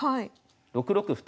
６六歩と。